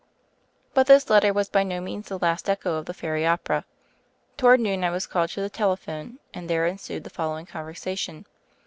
But this letter was by no means the last echo of the fairy opera. Toward noon I was called to the telephone, and there ensued the following conversation.